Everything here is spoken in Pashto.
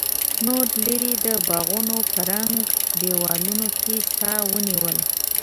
نورو ليرې د باغونو په ړنګو دېوالونو کې سا ونيوله.